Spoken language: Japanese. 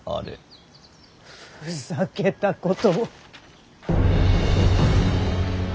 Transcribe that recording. ふざけたことを。